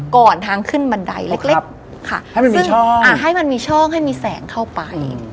ก่อนทางขึ้นบันไดเล็กค่ะซึ่งให้มันมีช่องให้มีแสงเข้าไป